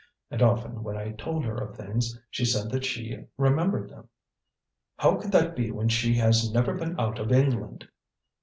And often, when I told her of things, she said that she remembered them." "How could that be when she has never been out of England?"